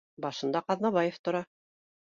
Башында Ҡаҙнабаев тора